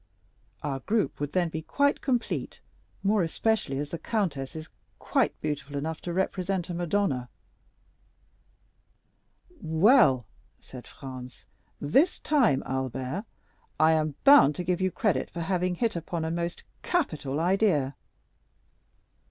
Our group would then be quite complete, more especially as the countess is quite beautiful enough to represent a Madonna." "Well," said Franz, "this time, M. Albert, I am bound to give you credit for having hit upon a most capital idea."